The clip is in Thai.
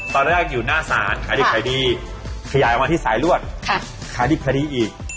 ตอนแรกอยู่หน้าศาลขายดิบขายดีขยายออกมาที่สายลวดขายดิบขายดีอีก